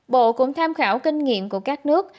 bộ cũng tham khảo kinh nghiệm của các nước